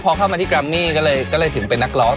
พอเข้ามาที่แกรมมี่ก็เลยถึงเป็นนักร้อง